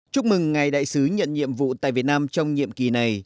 chúc mừng ngài đại sứ nhận nhiệm vụ tại việt nam trong nhiệm kỳ này